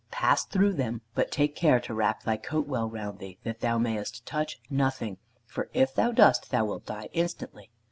Pass through them, but take care to wrap thy coat well round thee that thou mayest touch nothing, for if thou dost, thou wilt die instantly.